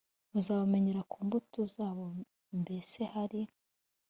Muzabamenyera ku mbuto zabo Mbese hari